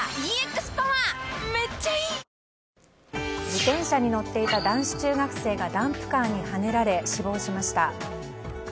自転車に乗っていた男子中学生がダンプカーにはねられ死亡しました。